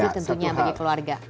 tentunya bagi keluarga